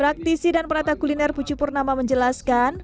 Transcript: praktisi dan perata kuliner pucu purnama menjelaskan